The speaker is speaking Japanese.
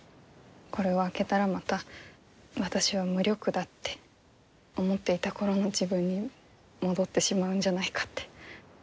これを開けたらまた私は無力だって思っていた頃の自分に戻ってしまうんじゃないかって。